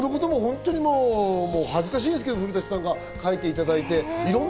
恥ずかしいですけど、古舘さんに僕のことも書いていただいて。